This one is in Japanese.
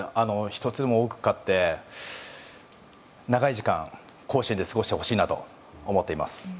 １つでも多く勝って長い時間、甲子園で過ごしてほしいなと思っています。